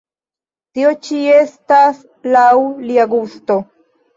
Tio ĉi estas laŭ lia gusto.